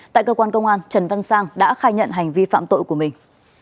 tại cơ quan công an trần văn sang đã khai nhận hành vi phạm tội của mình